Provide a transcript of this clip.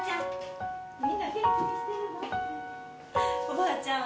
おばあちゃん！